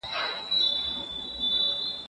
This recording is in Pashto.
د جينکو مټاکې سترګې